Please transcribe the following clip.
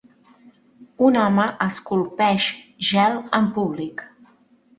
Un home esculpeix gel en públic.